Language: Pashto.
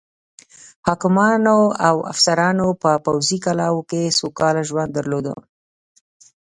حاکمانو او افسرانو په پوځي کلاوو کې سوکاله ژوند درلوده.